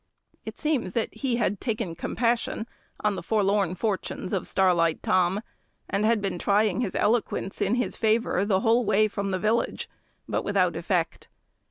It seems that he had taken compassion on the forlorn fortunes of Starlight Tom, and had been trying his eloquence in his favour the whole way from the village, but without effect.